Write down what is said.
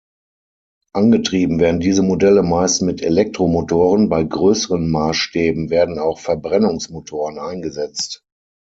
Angetrieben werden diese Modelle meist mit Elektromotoren; bei größeren Maßstäben werden auch Verbrennungsmotoren eingesetzt.